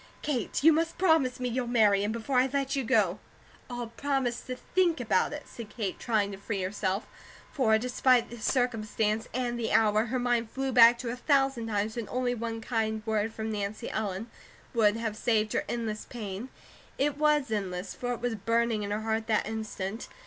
Kate, you must promise me you'll marry him, before I let you go." "I'll promise to THINK about it," said Kate, trying to free herself, for despite the circumstances and the hour, her mind flew back to a thousand times when only one kind word from Nancy Ellen would have saved her endless pain. It was endless, for it was burning in her heart that instant.